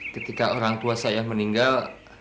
ketika orang tua saya meninggal